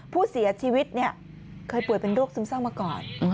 ผู้เสียชีวิตเคยป่วยเป็นโรคซึมเศร้ามาก่อน